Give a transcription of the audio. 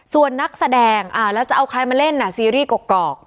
ส่วนนักแสดงแล้วจะเอาใครมาเล่นน่ะซีรีส์กรอก